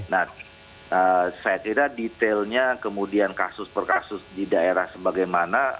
nah saya kira detailnya kemudian kasus per kasus di daerah sebagaimana